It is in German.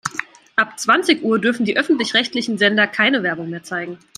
Ab zwanzig Uhr dürfen die öffentlich-rechtlichen Sender keine Werbung mehr zeigen.